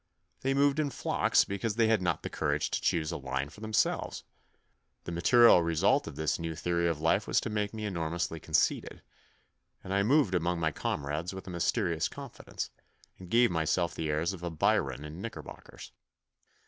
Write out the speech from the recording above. They moved in flocks because they had not the courage to choose a line for themselves. The material result of this new theory of life was to make me enormously conceited, and I moved among my comrades with a mysterious confidence, and gave myself the airs of a Byron in knickerbockers.